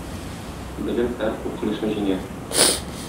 Белем һәр куркынычны җиңә.